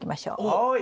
はい。